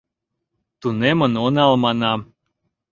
Тунемын онал, — манам.